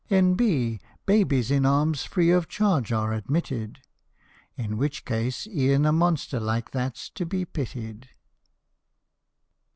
N.B. Babies in arms free of charge are admitted." In which case e'en a monster like that 's to be pitied.